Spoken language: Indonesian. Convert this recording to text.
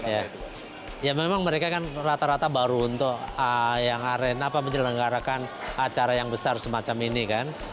ya memang mereka kan rata rata baru untuk yang arena menyelenggarakan acara yang besar semacam ini kan